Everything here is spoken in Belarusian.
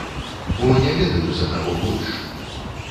Бо не ведаю, за каго больш.